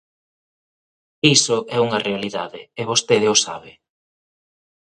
Iso é unha realidade e vostede o sabe.